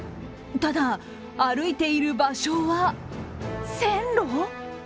ただ、歩いている場所は線路？